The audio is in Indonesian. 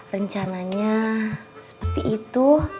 rencananya seperti itu